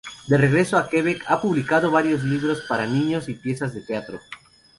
De regreso a Quebec, ha publicado varios libros para niños y piezas de teatro.